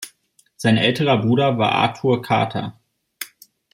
Sein älterer Bruder war Arthur Kather.